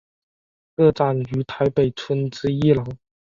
个展于台北春之艺廊。